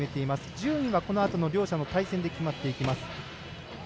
順位はこのあとの両者の対戦で決まっていきます。